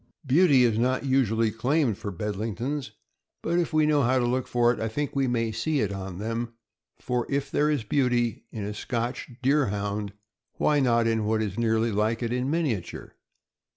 Beauty is not usually claimed for Bedlingtons, but if we THE BEDLINGTON TEKRIEE. 401 know how to look for it, I think we may see it on them; for if there is beauty in a Scotch Deerhound, why not in what is nearly like it, in miniature